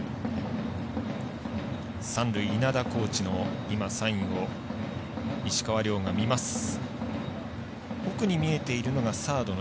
三塁稲田コーチのサインを石川亮が見ました。